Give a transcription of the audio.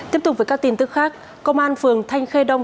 tiếp tục với các tin tức khác công an phường thanh khê đông